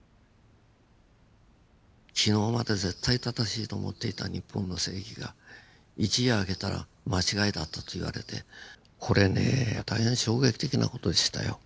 昨日まで絶対正しいと思っていた日本の正義が一夜明けたら間違いだったと言われてこれねえ大変衝撃的な事でしたよ。